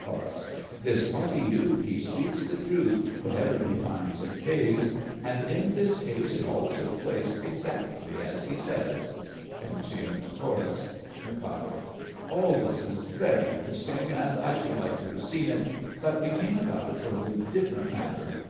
CHORUS. This haughty youth, He speaks the truth Whenever he finds it pays: And in this case It all took place Exactly as he says! [Exeunt Chorus. MIK. All this is very interesting, and I should like to have seen it. But we came about a totally different matter.